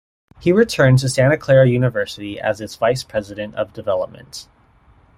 He returned to Santa Clara University as its vice president of development.